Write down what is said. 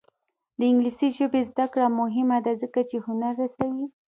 د انګلیسي ژبې زده کړه مهمه ده ځکه چې هنر رسوي.